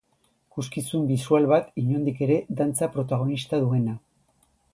Ikuskizun bisual bat, inondik ere, dantza protagonista duena.